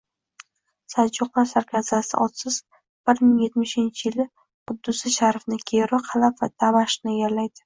Saljuqlar sarkardasi Otsiz bir ming yetmushinchi yili Quddusi Sharifni, keyinroq Halab va Damashqni egallaydi